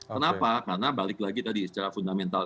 kenapa karena balik lagi tadi secara fundamental